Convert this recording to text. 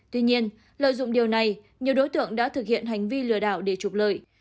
tuy nhiên lợi dụng điều này nhiều đối tượng đã thực hiện hành vi lừa đảo để trục lợi